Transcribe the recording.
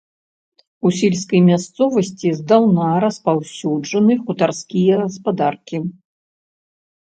У сельскай мясцовасці здаўна распаўсюджаны хутарскія гаспадаркі.